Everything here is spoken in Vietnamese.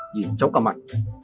nhìn chóng cả mặt